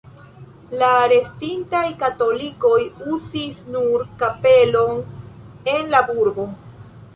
La restintaj katolikoj uzis nur kapelon en la burgo.